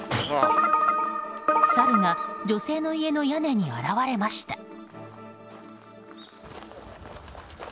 サルが女性の家の屋根に現れました。